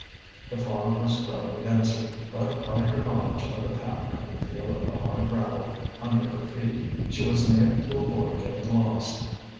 The fog was growing denser, but by her knowledge of the path and the feel of the hard gravel under her feet, she was enabled to avoid getting lost.